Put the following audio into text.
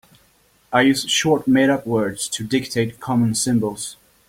I use short made-up words to dictate common symbols.